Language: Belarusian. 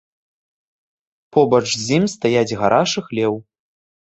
Побач з ім стаяць гараж і хлеў.